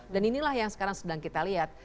dan inilah yang sekarang sedang kita lihat